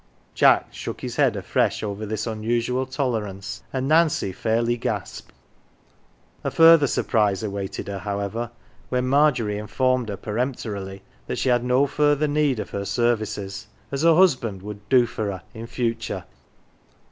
Jack shook his head afresh over this unusual toler ance, and Nancy fairly gasped. A further surprise awaited her, however, when Margery informed her peremptorily that she had no further need of her services, as her husband would " do for her " in future.